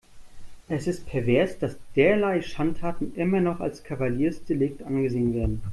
Es ist pervers, dass derlei Schandtaten immer noch als Kavaliersdelikt angesehen werden.